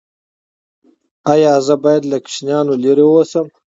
ایا زه باید له ماشومانو لرې اوسم؟